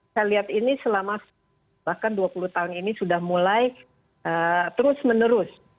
saya lihat ini selama bahkan dua puluh tahun ini sudah mulai terus menerus